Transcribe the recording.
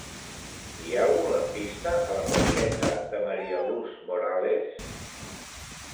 Hi ha algun lampista a la placeta de María Luz Morales?